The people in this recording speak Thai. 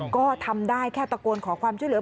ก็ทำได้แค่ตะโกนขอความช่วยเหลือ